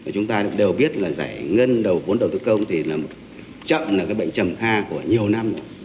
chúng ta đều biết là giải ngân vốn đầu tư công chậm là bệnh trầm kha của nhiều năm